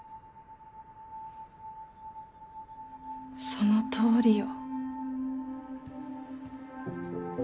そのとおりよ。